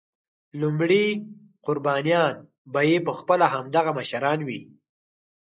لومړني قربانیان به یې پخپله همدغه مشران وي.